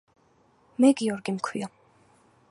მე გიორგი მქვია